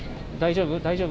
大丈夫？